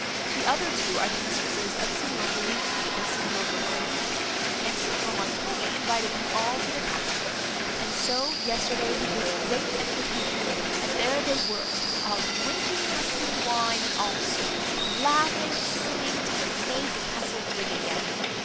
The other two are the mistresses of Signor Verezzi and Signor Bertolini; and Signor Montoni invited them all to the castle; and so, yesterday, he gave a great entertainment; and there they were, all drinking Tuscany wine and all sorts, and laughing and singing, till they made the castle ring again.